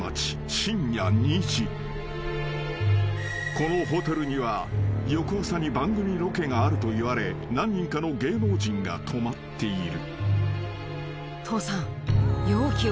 ［このホテルには翌朝に番組ロケがあると言われ何人かの芸能人が泊まっている］